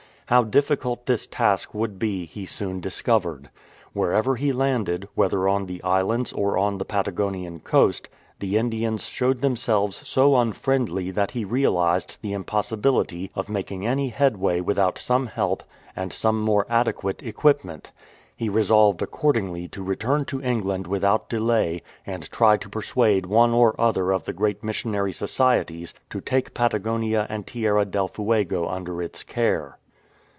How difficult this task would be he soon discovered. Wherever he landed, whether on the islands or on the Patagonian coast, the Indians showed themselves so unfriendly that he realized the impossibility of making any headway without some help and some more adequate equipment. He resolved accordingly to return to England without delay, and try to persuade one or other of the great missionary societies to take Patagonia and Tierra del Fuego under its care.